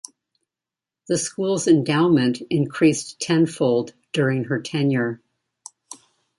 The school's endowment increased tenfold during her tenure.